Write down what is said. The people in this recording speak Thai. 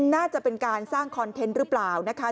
น่าจะเป็นการสร้างคอนเทนต์หรือเปล่านะคะ